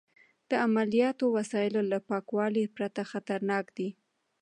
د عملیاتو وسایل له پاکوالي پرته خطرناک دي.